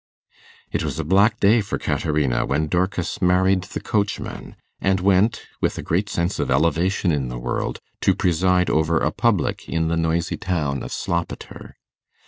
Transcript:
It was a black day for Caterina when Dorcas married the coachman, and went, with a great sense of elevation in the world, to preside over a 'public' in the noisy town of Sloppeter.